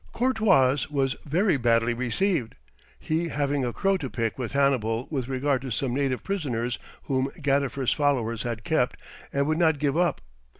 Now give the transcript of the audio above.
Courtois was very badly received, he having a crow to pick with Hannibal with regard to some native prisoners whom Gadifer's followers had kept and would not give up.